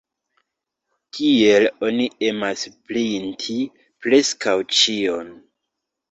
Tiel oni emas printi preskaŭ ĉion.